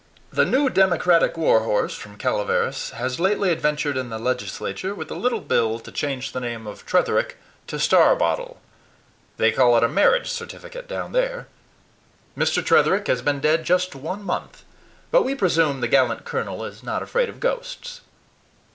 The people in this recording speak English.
"The new Democratic war horse from Calaveras has lately advented in the legislature with a little bill to change the name of Tretherick to Starbottle. They call it a marriage certificate down there. Mr. Tretherick has been dead just one month; but we presume the gallant colonel is not afraid of ghosts."